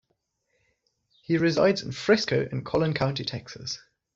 He resides in Frisco in Collin County, Texas.